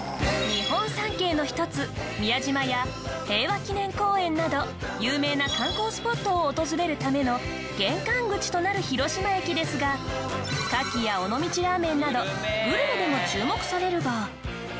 日本三景の一つ宮島や平和記念公園など有名な観光スポットを訪れるための玄関口となる広島駅ですが牡蠣や尾道ラーメンなどグルメでも注目されるが。